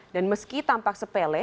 dan meski tampak sepele